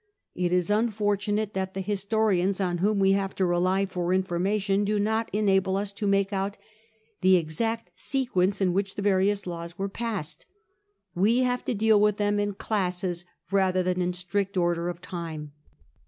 It is unfortunate that the historians on whom we have to rely for information do not enable us to make out the exact sequence in which the various laws were passed. We have to deal with them in classes rather than in strict order of time.